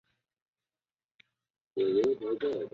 巴拉聚克人口变化图示